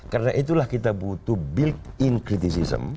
karena itulah kita butuh built in criticism